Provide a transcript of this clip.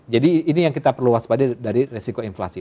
jadi ini yang kita perlu waspadai dari risiko inflasi